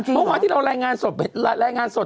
เพราะว่าที่เราแรงงานสดเห็นไหมครับ